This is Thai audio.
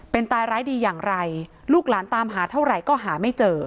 เป็นตายร้ายดีอย่างไรลูกหลานตามหาเท่าไหร่ก็หาไม่เจอ